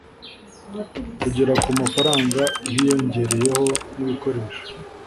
kugera ku mafaranga hiyongereyeho nibikoresho.